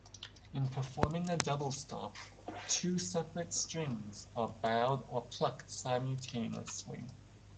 In performing a double stop, two separate strings are bowed or plucked simultaneously.